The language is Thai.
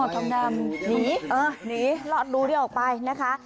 อ๋อทองดำหนีลอดรูนี้ออกไปนะคะ